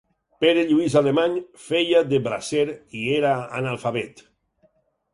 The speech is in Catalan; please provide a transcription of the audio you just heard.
Pere Lluís Alemany feia de bracer i era analfabet.